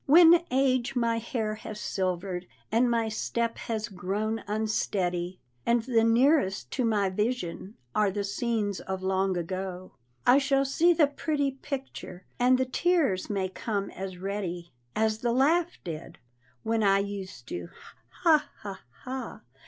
When age my hair has silvered, and my step has grown unsteady, And the nearest to my vision are the scenes of long ago, I shall see the pretty picture, and the tears may come as ready As the laugh did, when I used to ha! ha! ha!